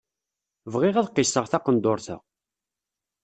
Bɣiɣ ad qisseɣ taqendurt-a.